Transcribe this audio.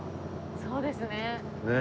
そうですね